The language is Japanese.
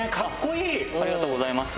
ありがとうございます。